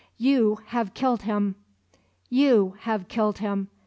"You have killed him! You have killed him!